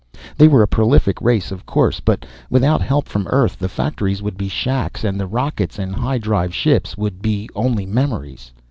They were a prolific race, of course but without help from Earth, the factories would be shacks and the rockets and high drive ships would be only memories.